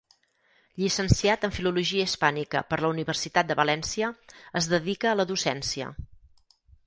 Llicenciat en Filologia Hispànica per la Universitat de València, es dedica a la docència.